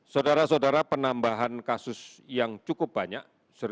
saudara saudara penambahan kasus yang cukup banyak satu delapan ratus lima puluh tiga